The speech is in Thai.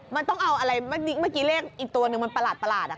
มันต้องเอาอะไรเมื่อกี้เลขอีกตัวหนึ่งมันประหลาด